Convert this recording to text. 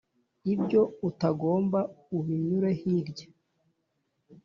ibyo utagomba ubinyure hirya